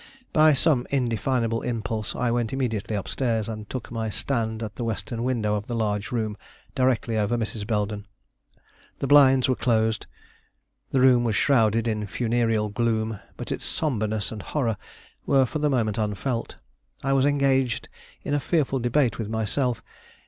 By some indefinable impulse, I went immediately up stairs, and took my stand at the western window of the large room directly over Mrs. Belden. The blinds were closed; the room was shrouded in funereal gloom, but its sombreness and horror were for the moment unfelt; I was engaged in a fearful debate with myself.